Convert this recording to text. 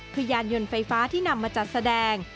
คือยานยนต์ไฟฟ้าที่นำมาจัดแสดง